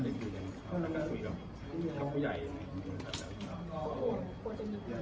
แล้วพอมันเจอแบบนี้มันเป็นครอบครั้งใหม่แล้วหรือเปล่า